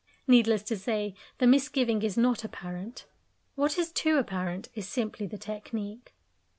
Needless to say, the misgiving is not apparent; what is too apparent is simply the technique.